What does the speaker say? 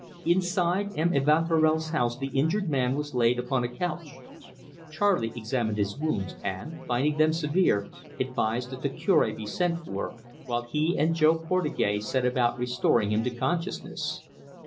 Inside M. Evanturel's house the injured man was laid upon a couch. Charley examined his wounds, and, finding them severe, advised that the Cure be sent for, while he and Jo Portugais set about restoring him to consciousness.